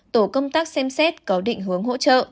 tổ công tác xem xét có định hướng hỗ trợ